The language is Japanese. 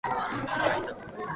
君がいた。